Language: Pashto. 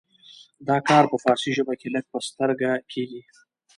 دا کار په فارسي ژبه کې لږ په سترګه کیږي.